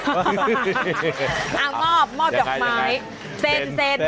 อะงอบงอบหยอกไม้เส้นเส้น